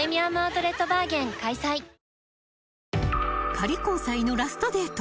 ［仮交際のラストデート。